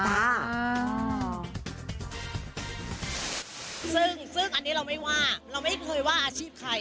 ซึ่งอันนี้เราไม่ว่าเราไม่เคยว่าอาชีพใคร